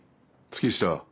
月下。